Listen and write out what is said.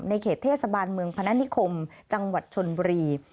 เขตเทศบาลเมืองพนักนิคมจังหวัดชนบุรี